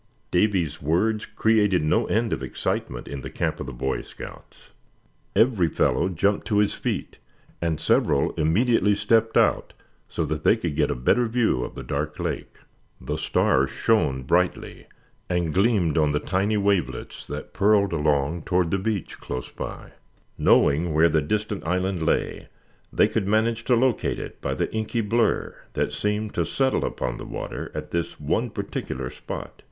Davy's words created no end of excitement in the camp of the Boy Scouts. Every fellow jumped to his feet, and several immediately stepped out so that they could get a better view of the dark lake. The stars shone brightly, and gleamed on the tiny wavelets that purled along toward the beach close by. Knowing just where the distant island lay, they could manage to locate it by the inky blur that seemed to settle upon the water at this one particular spot.